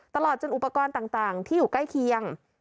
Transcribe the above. ตลอดจนอุปกรณ์ต่างที่อยู่ใกล้เคียง